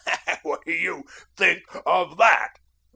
What do you THINK of THAT?"